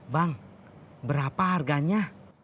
bang berapa harganya